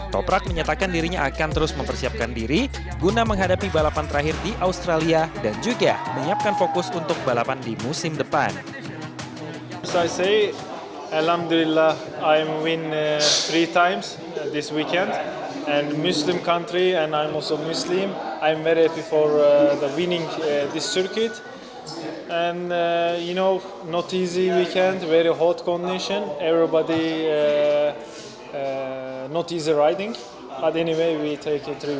toprak menyatakan dirinya akan terus mempersiapkan diri guna menghadapi balapan terakhir di australia dan juga menyiapkan fokus untuk mencapai kelima